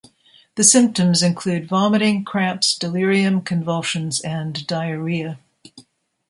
The symptoms include vomiting, cramps, delirium, convulsions, and diarrhea.